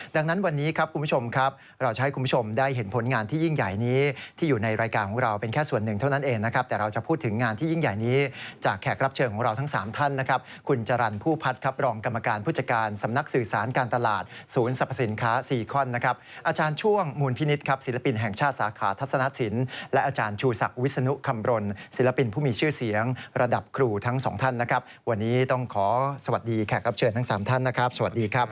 ดังนั้นวันนี้ครับคุณผู้ชมครับเราจะให้คุณผู้ชมได้เห็นผลงานที่ยิ่งใหญ่นี้ที่อยู่ในรายการของเราเป็นแค่ส่วนหนึ่งเท่านั้นเองนะครับแต่เราจะพูดถึงงานที่ยิ่งใหญ่นี้จากแขกรับเชิงของเราทั้ง๓ท่านนะครับคุณจารันผู้พัดครับรองกรรมการผู้จักรสำนักสื่อสารการตลาดศูนย์สรรพสินค้า๔คอนนะครับอาจารย์ช่ว